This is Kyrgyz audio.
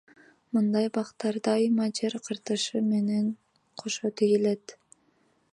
Мындай бактар дайыма жер кыртышы менен кошо тигилет.